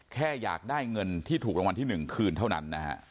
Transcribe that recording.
แค่อยากได้เงินที่ถูกรางวัลที่๑คืนเท่านั้นนะฮะ